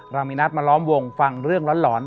เรามีนัดมาล้อมวงฟังเรื่องหลอน